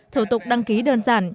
thủ tục đăng ký đơn giản